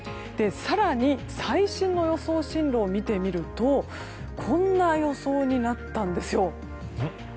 更に、最新の予想進路を見てみるとこんな予想になったんですよ。